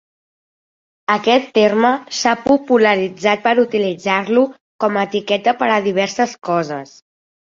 Aquest terme s'ha popularitzat per utilitzar-lo com a etiqueta per a diverses coses.